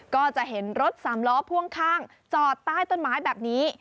ก็จะเห็นรถสามล้อพ่วงข้างจอดใต้ต้นไม้แบบนี้